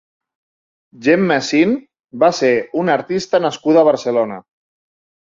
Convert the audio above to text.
Gemma Sin va ser una artista nascuda a Barcelona.